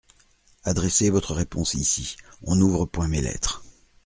Adressez votre réponse ici : on n'ouvre point mes lettres.